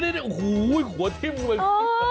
เนี่ยโอ้โฮหัวทิ้งมัน